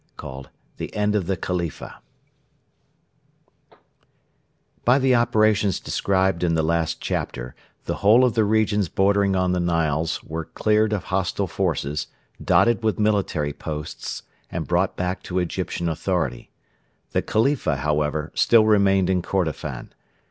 CHAPTER XIX: THE END OF THE KHALIFA By the operations described in the last chapter, the whole of the regions bordering on the Niles were cleared of hostile forces, dotted with military posts, and brought back to Egyptian authority. The Khalifa, however, still remained in Kordofan.